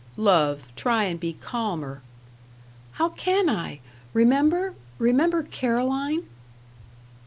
"Love, try and be calmer." "How can I? Remember remember Caroline."